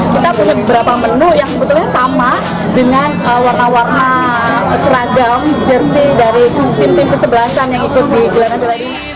kita punya beberapa menu yang sebetulnya sama dengan warna warna seragam jersey dari tim tim pesebelasan yang ikut di pilihan kedai kedai dunia